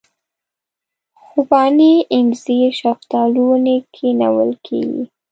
خوبانۍ اینځر شفتالو ونې کښېنول کېږي.